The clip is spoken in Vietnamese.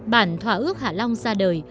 bản thỏa ước hạ long ra đời